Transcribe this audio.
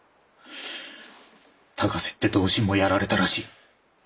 高瀬って同心もやられたらしい。